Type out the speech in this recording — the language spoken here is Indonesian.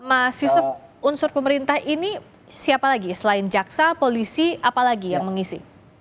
mas yusuf unsur pemerintah ini siapa lagi selain jaksa polisi apa lagi yang mengisi